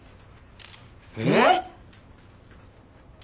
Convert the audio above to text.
えっ！？